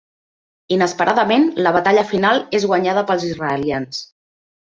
Inesperadament, la batalla final és guanyada pels israelians.